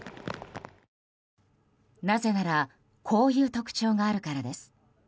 なぜならこういう特徴があるからです。